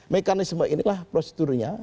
mekanisme inilah prosedurnya